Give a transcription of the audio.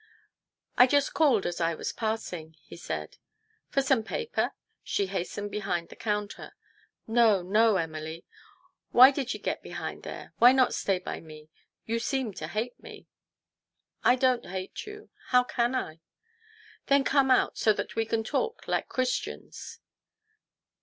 " I just called as I was passing," he said. " For some paper ?" She hastened behind the counter. ' 'No, no, Emily. Why do ye get behind there ? Why not stay by me ? You seem to hate me." " I don't hate you. How can I ?"" Then come out, so that we can talk like Christians."